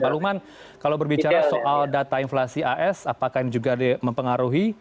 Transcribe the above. pak lukman kalau berbicara soal data inflasi as apakah ini juga mempengaruhi